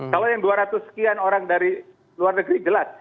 kalau yang dua ratus sekian orang dari luar negeri jelas